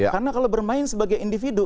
karena kalau bermain sebagai individu